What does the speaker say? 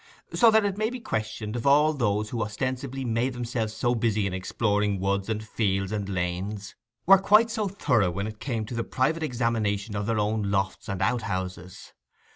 So that it may be questioned if all those who ostensibly made themselves so busy in exploring woods and fields and lanes were quite so thorough when it came to the private examination of their own lofts and outhouses.